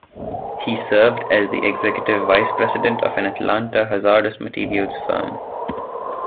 He served as the executive vice president of an Atlanta hazardous materials firm.